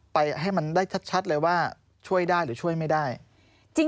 ไปให้มันได้ชัดเลยว่าช่วยได้หรือช่วยไม่ได้จริง